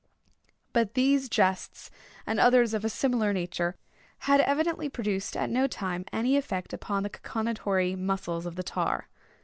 But these jests, and others of a similar nature, had evidently produced, at no time, any effect upon the cachinnatory muscles of the tar.